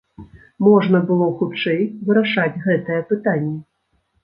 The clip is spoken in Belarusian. Можна было хутчэй вырашаць гэтае пытанне.